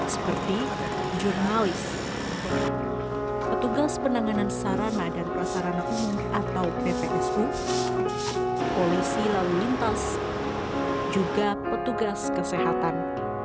seperti jurnalis petugas penanganan sarana dan prasarana umum atau ppsu polisi lalu lintas juga petugas kesehatan